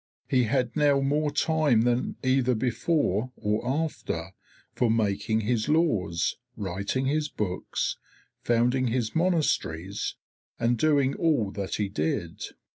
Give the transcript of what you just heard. He had now more time than either before or after for making his laws, writing his books, founding his monasteries, and doing all that he did.